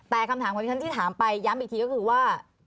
แต่คำถามของที่ฉันที่ถามไปย้ำอีกทีก็คือว่า